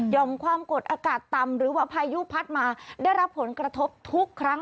ความกดอากาศต่ำหรือว่าพายุพัดมาได้รับผลกระทบทุกครั้ง